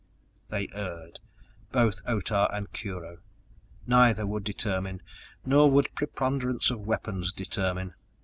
_They erred both Otah and Kurho. Neither would determine, nor would preponderance of weapons determine.